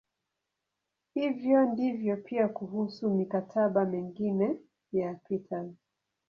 Hivyo ndivyo pia kuhusu "mikataba" mingine ya Peters.